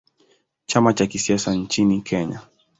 Chama cha kisiasa nchini Kenya.